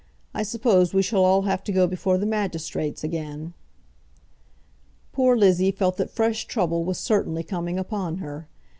I suppose we shall all have to go before the magistrates again." Poor Lizzie felt that fresh trouble was certainly coming upon her.